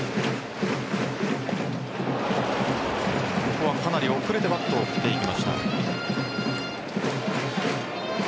ここはかなり遅れてバットを振っていきました。